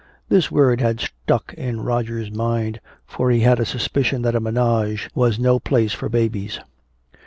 This word had stuck in Roger's mind, for he had a suspicion that a "ménage" was no place for babies.